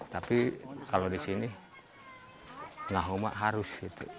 tapi kalau di sini nahuma harus